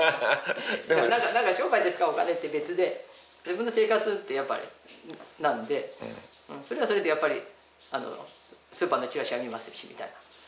商売で使うお金って別で自分の生活ってやっぱりなんでそれはそれでやっぱりスーパーのチラシは見ますしみたいな。